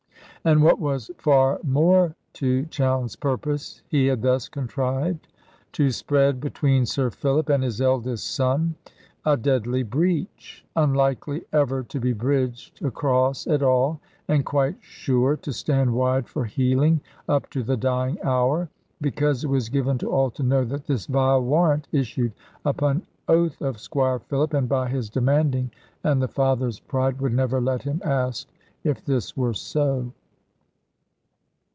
And what was far more to Chowne's purpose, he had thus contrived to spread between Sir Philip and his eldest son a deadly breach, unlikely ever to be bridged across at all, and quite sure to stand wide for healing, up to the dying hour. Because it was given to all to know that this vile warrant issued upon oath of Squire Philip and by his demanding; and the father's pride would never let him ask if this were so.